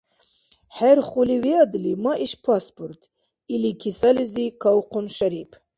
— ХӀерхули виадли, ма иш паспорт, — или, кисализи кавхъун Шарип.